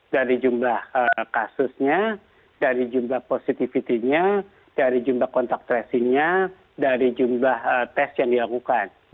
dari jumlah kasusnya dari jumlah positivity nya dari jumlah kontak tracingnya dari jumlah tes yang dilakukan